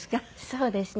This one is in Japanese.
そうですね。